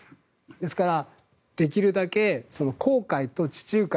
ですから、できるだけ黒海と地中海